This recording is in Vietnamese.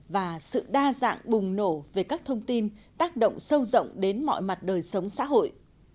và sự đa dạng bùng nổ về các thông tin tác động sâu rộng đến mọi mặt đời sống xã hội